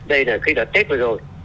đây là khi là tết vừa rồi